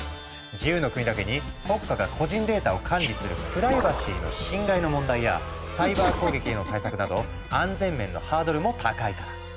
自由の国だけに国家が個人データを管理するプライバシーの侵害の問題やサイバー攻撃への対策など安全面のハードルも高いから。